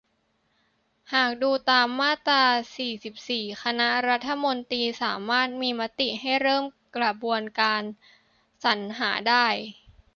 หากดูตามมาตรา สี่สิบสี่ คณะรัฐมนตรี สามารถมีมติให้เริ่มกระบวนการสรรหาได้